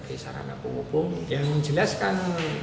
jika ada yang ingin mencoba silakan